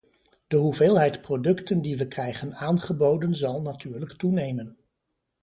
De hoeveelheid producten die we krijgen aangeboden zal natuurlijk toenemen.